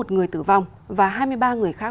một người tử vong và hai mươi ba người khác